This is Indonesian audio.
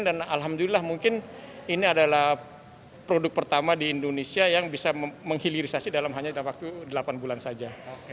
dan alhamdulillah mungkin ini adalah produk pertama di indonesia yang bisa menghilirisasi dalam hanya dalam waktu delapan bulan saja